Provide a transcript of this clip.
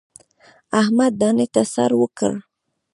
احمد دانې ته سر ورکړ.